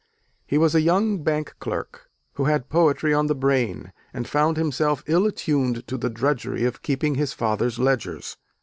He was a young bank clerk who had poetry on the brain, and found himself ill attuned to the drudgery of keeping his father's ledgers.